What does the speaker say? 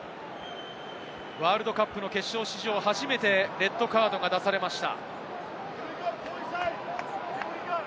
ワールドカップの決勝史上初めて、レッドカードが出されました。